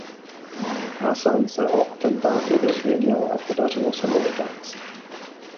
Hassan se o atentátu dozvěděl a podařilo se mu utéct.